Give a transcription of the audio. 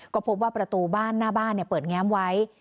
ก็พบว่าประตูบ้านหน้าบ้านเปิดแง้มไว้